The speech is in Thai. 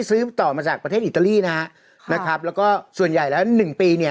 ซื้อต่อมาจากประเทศอิตาลีนะฮะนะครับแล้วก็ส่วนใหญ่แล้วหนึ่งปีเนี่ย